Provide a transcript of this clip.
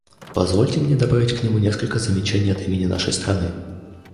Позвольте мне добавить к нему несколько замечаний от имени нашей страны.